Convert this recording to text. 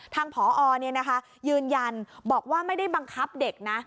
ทางผอยืนยันบอกว่าไม่ได้บังคับเด็กนะ